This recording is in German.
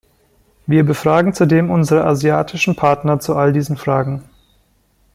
Wir befragen zudem unsere asiatischen Partner zu all diesen Fragen.